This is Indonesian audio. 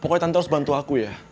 pokoknya tante harus bantu aku ya